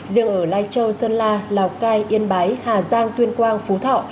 riêng ở lai châu sơn la lào cai yên bái hà giang tuyên quang phú thọ